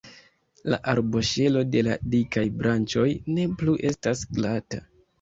La arboŝelo de la dikaj branĉoj ne plu estas glata.